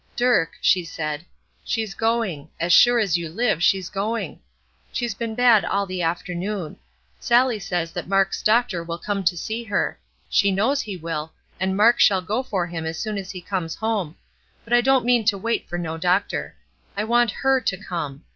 "Dirk," she said, "she's going; as sure as you live, she's going. She's been bad all the afternoon. Sallie says that Mark's doctor will come to see her, she knows he will, and Mark shall go for him as soon as he comes home; but I don't mean to wait for no doctor. I want her to come.